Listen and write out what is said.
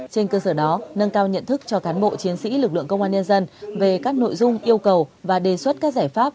trên cơ sở đó nâng cao nhận thức cho cán bộ chiến sĩ lực lượng công an nhân dân về các nội dung yêu cầu và đề xuất các giải pháp